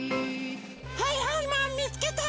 はいはいマンみつけた！